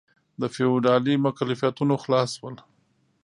د فیوډالي مکلفیتونو خلاص شول.